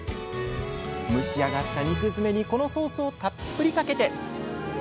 蒸し上がった肉づめにこのソースをたっぷりかけて。